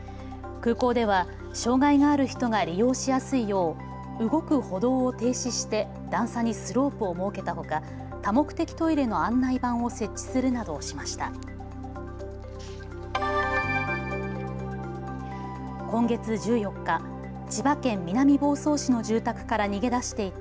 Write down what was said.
空港では障害がある人が利用しやすいよう動く歩道を停止して段差にスロープを設けたほか多目的トイレの案内板を設置するなどしました。